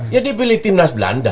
ya dia pilih timnas belanda